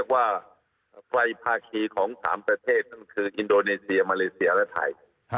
ว่าไฟภาคีของ๓ประเทศนั่นคืออินโดนีเซียมาเลเซียและไทย